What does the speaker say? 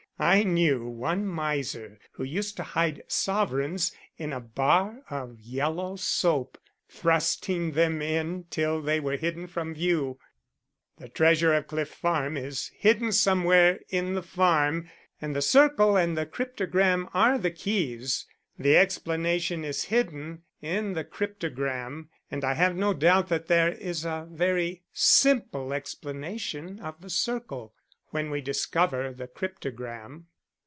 I knew one miser who used to hide sovereigns in a bar of yellow soap thrusting them in till they were hidden from view. The treasure of Cliff Farm is hidden somewhere in the farm, and the circle and the cryptogram are the keys. The explanation is hidden in the cryptogram, and I have no doubt that there is a very simple explanation of the circle when we discover the cryptogram."